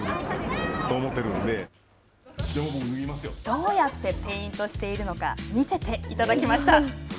どうやってペイントしているのか見せていただきました。